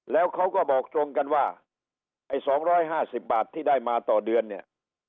แล้วเขาก็บอกตรงกันว่าไอ้๒๕๐บาทที่ได้มาต่อเดือนเนี่ย